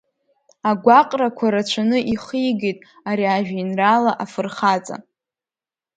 Агәаҟрақәа рацәаны ихигеит ари ажәеинраала афырхаҵа…